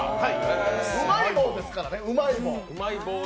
うまい棒ですからね、うまい棒。